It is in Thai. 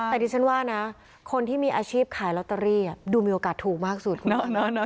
แต่ดิฉันว่านะคนที่มีอาชีพขายลอตเตอรี่ดูมีโอกาสถูกมากสุด